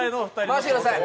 任せてください。